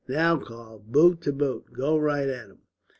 "Now, Karl, boot to boot. Go right at them!"